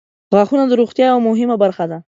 • غاښونه د روغتیا یوه مهمه برخه ده.